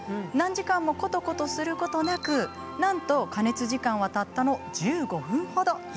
何時間もコトコトすることなくなんと加熱時間はたったの１５分ほど。